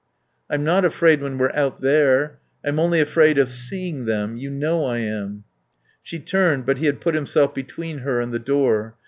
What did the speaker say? "I'm not afraid when we're out there. I'm only afraid of seeing them. You know I am." She turned, but he had put himself between her and the door.